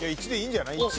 １でいいんじゃない？